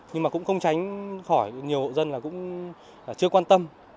nhưng mà cũng không tránh khỏi nhiều hộ dân là cũng chưa quan tâm